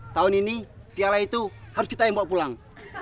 tahun ini piala itu harus kita yang bawa pulang